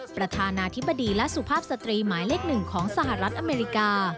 ประธานาธิบดีและสุภาพสตรีหมายเลข๑ของสหรัฐอเมริกา